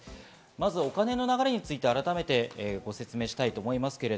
まずお金の流れについて改めてご説明します。